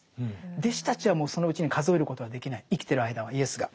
弟子たちはもうそのうちに数えることはできない生きてる間はイエスが。